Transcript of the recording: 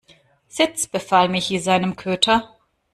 Sitz!, befahl Michi seinem Köter.